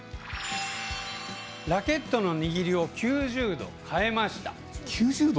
ラケットの握りを９０度変えました。